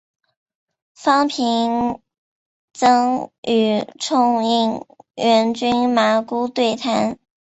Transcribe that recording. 方平曾与冲应元君麻姑对谈。